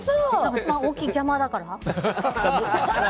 大きい、邪魔だから。